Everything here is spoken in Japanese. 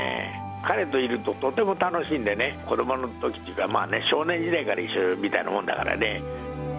彼といるととても楽しいんでね、子どものときというか、少年時代から一緒みたいなもんだからね。